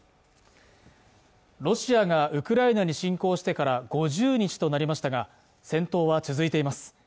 ロシアがウクライナに侵攻してから５０日となりましたが戦闘は続いています